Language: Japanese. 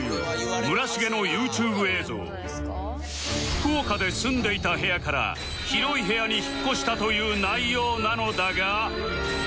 福岡で住んでいた部屋から広い部屋に引っ越したという内容なのだが